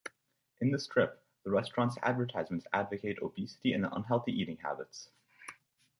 In the strip, the restaurant's advertisements advocate obesity and unhealthy eating habits.